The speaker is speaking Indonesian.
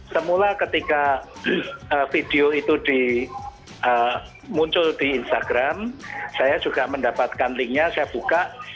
semula ketika video itu muncul di instagram saya juga mendapatkan linknya saya buka